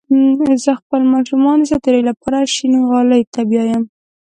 زه خپل ماشومان د ساعتيرى لپاره شينغالي ته بيايم